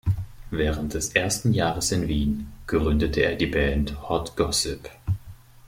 Während des ersten Jahres in Wien gründete er die Band Hot Gossip.